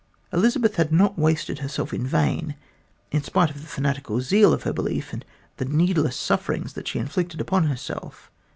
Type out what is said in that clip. Elizabeth had not wasted herself in vain, in spite of the fanatical zeal of her belief and the needless sufferings that she inflicted upon herself.